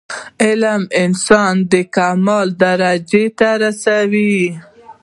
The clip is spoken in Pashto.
علم انسان د کمال درجي ته رسوي.